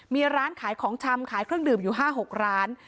มีร้านขายของชำขายเครื่องดื่มอยู่๕๖ร้าน